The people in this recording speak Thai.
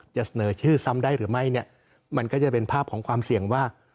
จะเสนอชื่อซ้ำได้หรือไม่เนี่ยมันก็จะเป็นภาพของความเสี่ยงว่า